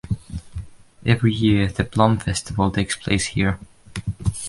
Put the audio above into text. Every year, the "Plum Festival" takes place here.